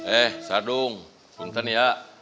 eh sadung intern ya